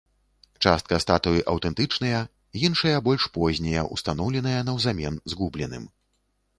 Частка статуй аўтэнтычныя, іншыя больш познія, устаноўленыя наўзамен згубленым.